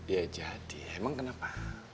iya jadi emang kenapa